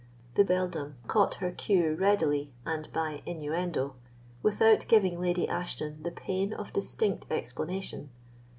The beldam caught her cue readily and by innuendo, without giving Lady Ashton the pain of distinct explanation.